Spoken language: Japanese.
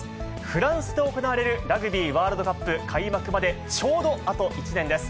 フランスで行われるラグビーワールドカップ開幕まで、ちょうどあと１年です。